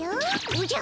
おじゃ！